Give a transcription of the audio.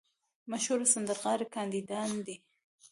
مشهور سندرغاړي کاناډایان دي.